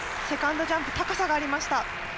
セカンドジャンプ高さがありました。